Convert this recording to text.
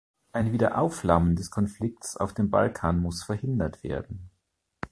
Ein Wiederaufflammen des Konflikts auf dem Balkan muss verhindert werden.